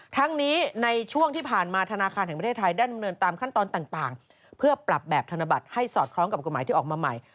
ทั้งนี้ในช่วงที่ผ่านมาธนาคารแห่งประเทศไทยได้ดำเนินตามขั้นตอนต่างเพื่อปรับแบบธนบัตรให้สอดคล้องกับกฎหมายที่ออกมาใหม่